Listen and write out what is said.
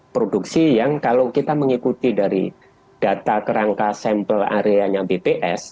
produksi yang kalau kita mengikuti dari data kerangka sampel areanya bps